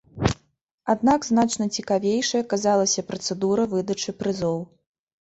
Аднак значна цікавейшай аказалася працэдура выдачы прызоў.